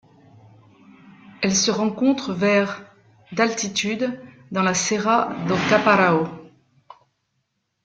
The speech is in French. Elle se rencontre vers d'altitude dans la Serra do Caparaó.